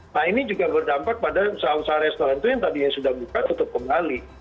nah ini juga berdampak pada usaha usaha restoran itu yang tadinya sudah buka tutup kembali